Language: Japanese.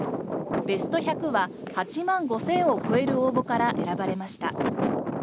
ベスト１００は８万５０００を超える応募から選ばれました。